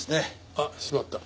あっしまった。